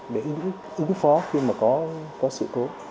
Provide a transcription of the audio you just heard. để ứng phó khi mà có sự cố